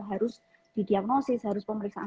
harus didiagnosis harus pemeriksaan